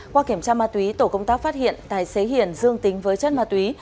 qua kiểm tra ma túy tổ công tác phát hiện tài xế hiền dương tính với chất ma túy